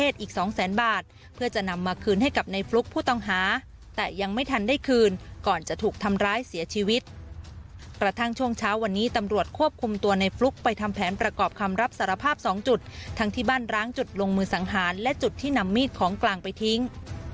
ช่วงเช้าวันนี้ตำรวจควบคุมตัวในฟลุ๊กไปทำแผนประกอบคำรับสารภาพ๒จุดทั้งที่บ้านร้างจุดลงมือสังหารและจุดที่นำมีดของกลางไปทิ้ง